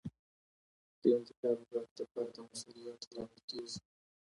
د انتخاب ځواک د فرد د مسوولیت لامل کیږي.